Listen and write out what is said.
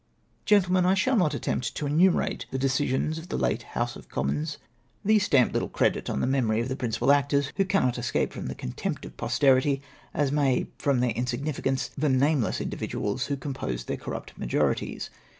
" Grentlemen, I shall not attempt to enumerate the de cisions of the late House of Commons, — these stamp little credit on the memory of the jorincipal actors, who cannot escape from the contempt of posterity, as may, from their insignificance, the nameless individuals who composed their corrupt majorities.